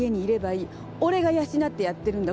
俺が養ってやってるんだ。